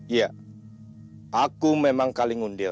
iya aku memang kaling gundil